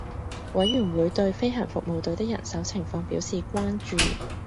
委員會對飛行服務隊的人手情況表示關注